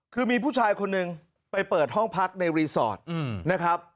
คือมีผู้ชายคนหนึ่งไปเปิดห้องพักในรีสอร์ทนะครับ